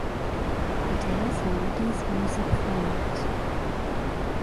It airs an oldies music format.